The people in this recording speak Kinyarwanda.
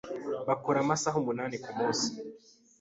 Bakora amasaha umunani kumunsi.